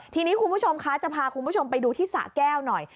ทีนี้คุณผู้ชมคะจะพาคุณผู้ชมไปดูที่สะแก้วหน่อย